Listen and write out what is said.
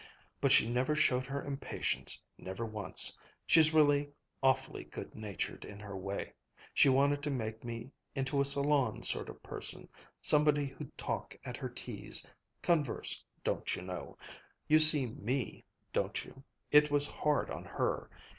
But she never showed her impatience, never once. She's really awfully good natured in her way. She wanted to make me into a salon sort of person, somebody who'd talk at her teas converse, don't you know. You see me, don't you! It was hard on her.